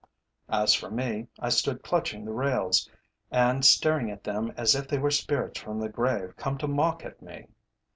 As for me, I stood clutching the rails, and staring at them as if they were spirits from the grave come to mock at me.